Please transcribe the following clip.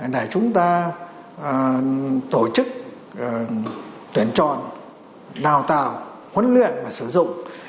để chúng ta tổ chức tuyển chọn đào tạo huấn luyện và sử dụng